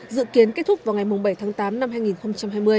dự kiến kết thúc vào ngày bảy tháng tám năm hai nghìn hai mươi